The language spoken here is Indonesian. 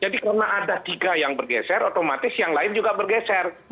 jadi karena ada tiga yang bergeser otomatis yang lain juga bergeser